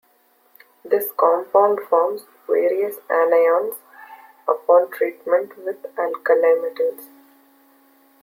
This compound forms various anions upon treatment with alkali metals.